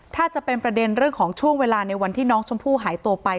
ถ้าจะเป็นประเด็นเรื่องของช่วงเวลาในวันที่น้องชมพู่หายตัวไป